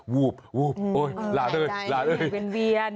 วูบโอ๊ยหลาดเว้ยหลาดเว้ยหายใจเป็นเวียน